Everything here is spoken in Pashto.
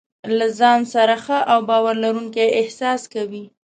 له ځان سره ښه او باور لرونکی احساس کوي.